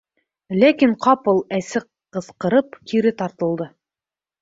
Ләкин ҡапыл, әсе ҡысҡырып, кире тартылды: